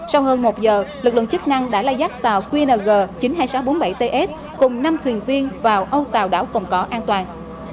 sau hơn một giờ lực lượng chức năng đã lai dắt tàu qng chín mươi hai nghìn sáu trăm bốn mươi bảy ts cùng năm thuyền viên vào âu tàu đảo cồn cỏ an toàn